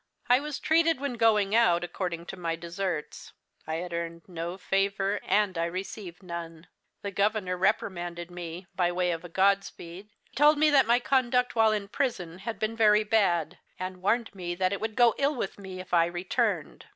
"I was treated, when going out, according to my deserts. I had earned no favour, and I received none. The Governor reprimanded me, by way of a God speed; told me that my conduct, while in prison, had been very bad, and warned me that it would go ill with me if I returned.